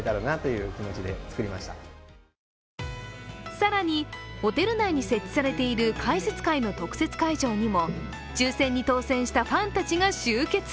更に、ホテル内に設置されている解説会の特設会場にも抽選に当選したファンたちが集結。